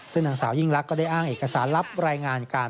ซึ่งนางสาวยิ่งลักษณ์ก็ได้อ้างเอกสารลับรายงานการ